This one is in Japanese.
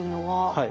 はい。